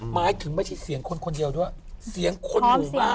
หมายถึงไม่ใช่เสียงคนคนเดียวด้วยเสียงคนผู้ฟัง